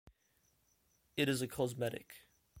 It is a cosmetic.